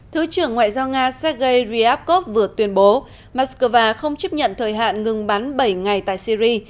thứ trưởng ngoại giao nga sergei ryabkov vừa tuyên bố mắc skơ va không chấp nhận thời hạn ngừng bắn bảy ngày tại syri